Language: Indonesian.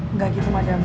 enggak gitu madang